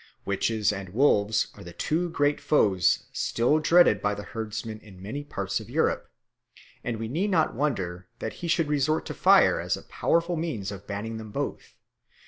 Witches and wolves are the two great foes still dreaded by the herdsman in many parts of Europe; and we need not wonder that he should resort to fire as a powerful means of banning them both.